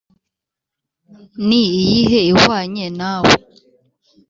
ni iyihe ihwanye nawe?